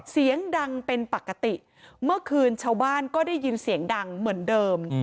เสียงดังเป็นปกติเมื่อคืนชาวบ้านก็ได้ยินเสียงดังเหมือนเดิม